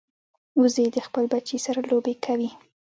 وزې د خپل بچي سره لوبې کوي